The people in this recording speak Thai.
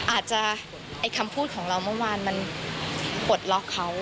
ไอ้คำพูดของเราเมื่อวานมันปลดล็อกเขา